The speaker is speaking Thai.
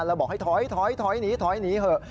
เราบอกให้ถอยถอยถอยหนีถอยหนีเหอะ